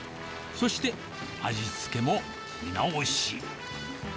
そして、味付けも見直し。